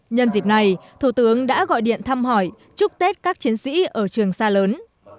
nhân dịp này thủ tướng đã gọi điện thăm hỏi chúc tết các chiến sĩ ở trường xa lớn